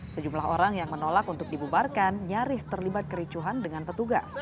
sejumlah orang yang menolak untuk dibubarkan nyaris terlibat kericuhan dengan petugas